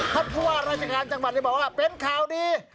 ท่านผู้ว่าราชการจังหวัดเลยบอกว่าเป็นข่าวดี